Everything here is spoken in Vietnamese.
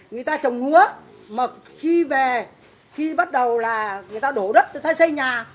người ta trồng ngúa mật khi về khi bắt đầu là người ta đổ đất người ta xây nhà